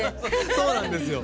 そうなんですよ。